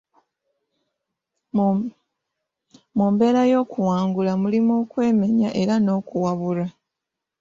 Mu mbeera y'okuwangula mulimu okwemenya era n'okuwabulwa.